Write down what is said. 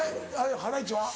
ハライチは？